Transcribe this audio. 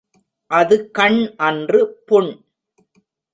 அது கண் அன்று புண்.